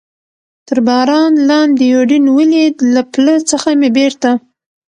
تر باران لاندې یوډین ولید، له پله څخه مې بېرته.